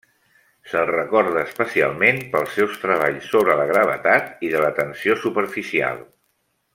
Se'l recorda especialment pels seus treballs sobre la gravetat i de la tensió superficial.